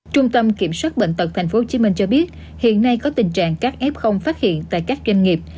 trung tâm kiểm soát bệnh tật tp hcm cho biết hiện nay có tình trạng các f phát hiện tại các doanh nghiệp